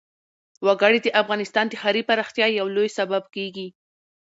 وګړي د افغانستان د ښاري پراختیا یو لوی سبب کېږي.